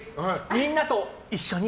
みんなと一緒に